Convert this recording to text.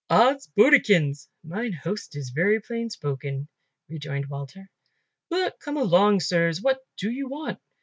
"Odds bodikins! mine host is very plain spoken," rejoined Walter, "but come along, sirs, what do you want?"